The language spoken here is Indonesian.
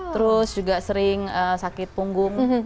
terus juga sering sakit punggung